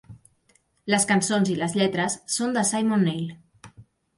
Les cançons i les lletres són de Simon Neil.